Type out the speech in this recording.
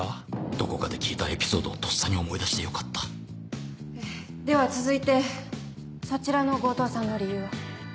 どこかで聞いたエピソードをとっさに思い出してよかったえでは続いてそちらの強盗さんの理由は？